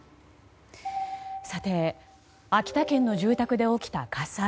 秋田県の住宅で起きた火災。